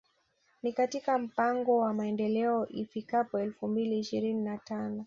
Ni katika mpango wa Maendeleo ifikapo elfu mbili ishirini na tano